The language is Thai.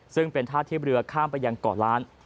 ซึ่งเป็นท่าเทียบเรือข้ามไปยังเกาะล้าน